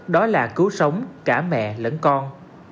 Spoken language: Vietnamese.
đó là cứu sống cả mẹ lẫn con